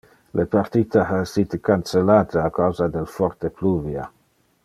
Le partita ha essite cancellate a causa del forte pluvia.